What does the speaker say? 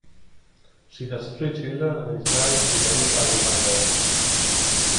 She has three children and is married to Dennis Alexander.